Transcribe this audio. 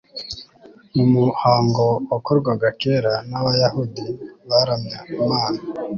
mu muhango wakorwaga kera n'abayahudi baramya imana